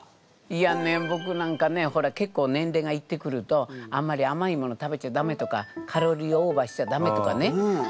いやねぼくなんかねほら結構年齢がいってくるとあんまり甘いもの食べちゃダメとかカロリーオーバーしちゃダメとかねよく言われるのよ。